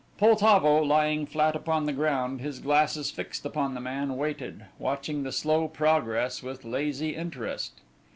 Poltavo, lying flat upon the ground, his glasses fixed upon the man, waited, watching the slow progress with lazy interest.